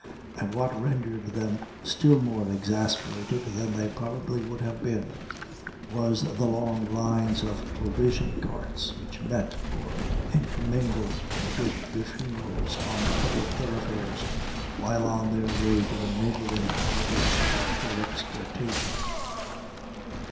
And what rendered them still more exasperated than they probably would have been, was the long lines of provision carts which met or intermingled with the funerals on the public thoroughfares, while on their way to the neighboring harbors, for exportation.